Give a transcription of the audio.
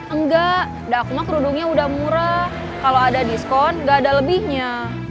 enggak aku mah kerudungnya udah murah kalau ada diskon gak ada lebihnya